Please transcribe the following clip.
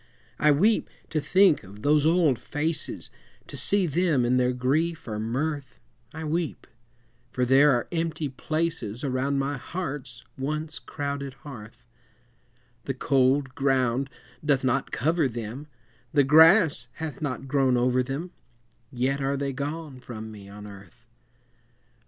I weep to think of those old faces, To see them in their grief or mirth; I weep for there are empty places Around my heart's once crowded hearth; The cold ground doth not cover them, The grass hath not grown over them, Yet are they gone from me on earth; O!